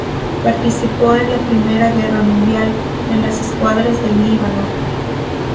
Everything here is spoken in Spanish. Participó en la I Guerra Mundial, en las escuadras del Líbano.